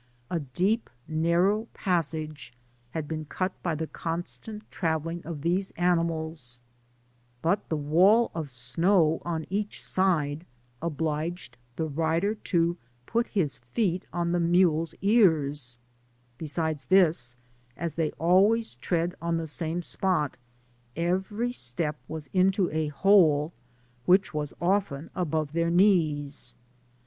A deep narrow passage had been cut by the Digitized byGoogk THE 6BBAT COBDILLBBA. 169 constant travelling of these animals, but the wall of snow on each side obliged the rider to put his feet on the mulcts ears; besides this, as they always tread on the same spot, every step was into a h(Je which was often above their knees.